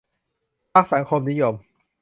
พรรคสังคมนิยม